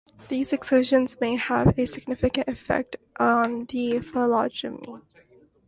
These exclusions may have a significant effect on the phylogeny.